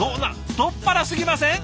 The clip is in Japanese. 太っ腹すぎません？